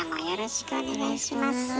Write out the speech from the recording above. よろしくお願いします。